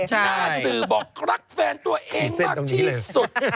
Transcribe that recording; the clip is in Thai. หน้าสื่อบอกรักแฟนตัวเองมากที่สุด